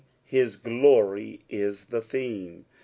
his glor; is the theme.